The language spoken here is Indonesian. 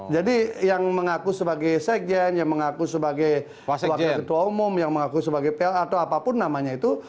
jadi yang mengaku sebagai sekjen yang mengaku sebagai wakil ketua umum yang mengaku sebagai pl atau apapun namanya itu